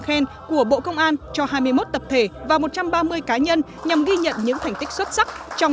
khen của bộ công an cho hai mươi một tập thể và một trăm ba mươi cá nhân nhằm ghi nhận những thành tích xuất sắc trong